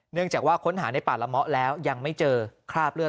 เนื่องจากว่าค้นหาในป่าละเมาะแล้วยังไม่เจอคราบเลือด